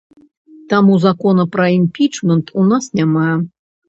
Таму закона пра імпічмент у нас няма.